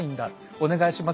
お願いします